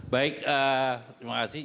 baik terima kasih